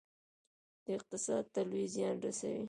دا اقتصاد ته لوی زیان رسوي.